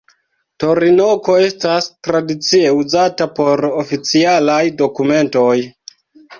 Torinoko estas tradicie uzata por oficialaj dokumentoj.